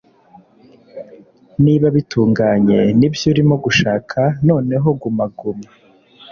Niba bitunganye nibyo urimo gushaka noneho guma guma